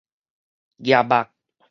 鵝肉